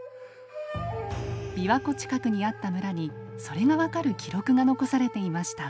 びわ湖近くにあった村にそれが分かる記録が残されていました。